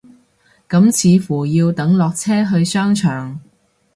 咁似乎要等落車去商場